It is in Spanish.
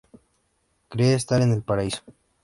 Cree estar en el paraíso.